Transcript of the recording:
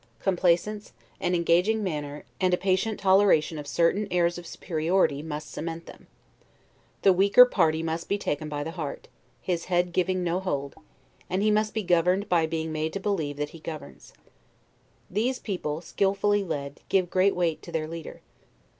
Complaisance, an engaging manner, and a patient toleration of certain airs of superiority, must cement them. The weaker party must be taken by the heart, his head giving no hold; and he must be governed by being made to believe that he governs. These people, skillfully led, give great weight to their leader.